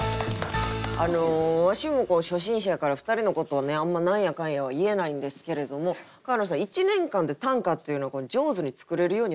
あのわしも初心者やから２人のことをねあんま何やかんやは言えないんですけれども川野さん１年間で短歌っていうのは上手に作れるようになるもんですか？